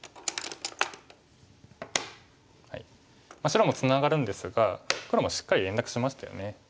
白もツナがるんですが黒もしっかり連絡しましたよね。